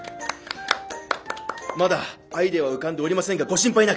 まだアイデアは浮かんでおりませんがご心配なく。